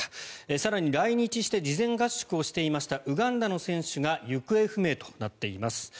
更に、来日して事前合宿をしていましたウガンダの選手が行方不明となっています。